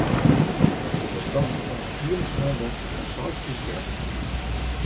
Der wurdt tocht oan in jierliks oanbod fan seis útjeften.